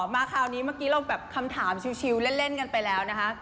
มาคราวนี้เมื่อกี้เราแบบคำถามชิวเล่นกันไปแล้วนะคะ